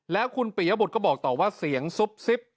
แล้วคุณปียบุตรก็บอกต่อว่าเสียงซุบซิบ